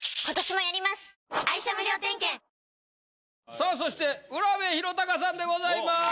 さあそして卜部弘嵩さんでございます。